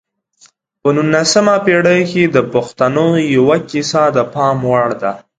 په نولسمه پېړۍ کې د پښتنو یوه کیسه د پام وړ ده.